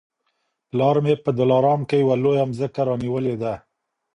پلار مي په دلارام کي یوه لویه مځکه رانیولې ده